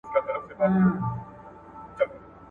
زه له دروغو ځان ساتم چي عزت مي خراب نه سي.